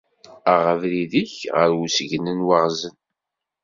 Aɣ abrid-ik ɣer usgen n waɣzen.